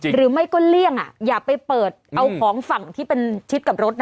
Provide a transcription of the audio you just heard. หรือไม่ก็เลี่ยงอย่าไปเปิดเอาของฝั่งที่เป็นชิดกับรถนะ